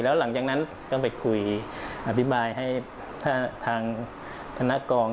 แล้วหลังจากนั้นก็ไปคุยอธิบายให้ถ้าทางคณะกอง